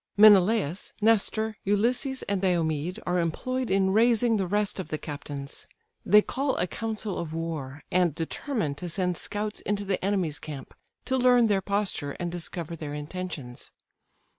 Menelaus, Nestor, Ulysses, and Diomed are employed in raising the rest of the captains. They call a council of war, and determine to send scouts into the enemies' camp, to learn their posture, and discover their intentions.